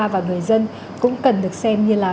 và người dân cũng cần được xem như là